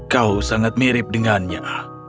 kau sangat mirip dengannya